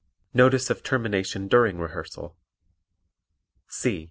Notice of Termination During Rehearsal C.